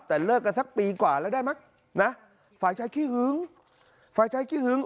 แต่เลิกกันสักปีกว่าแล้วได้มั้ยฝ่ายใช้ขี้หึง